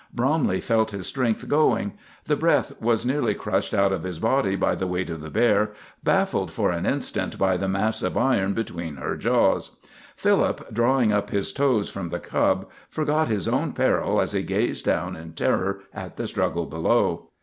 Bromley felt his strength going. The breath was nearly crushed out of his body by the weight of the bear, baffled for an instant by the mass of iron between her jaws. Philip, drawing up his toes from the cub, forgot his own peril as he gazed down in terror at the struggle below.